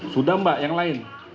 sudah mbak yang lain